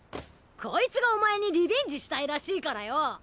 コイツがお前にリベンジしたいらしいからよ！